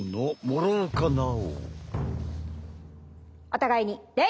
お互いに礼！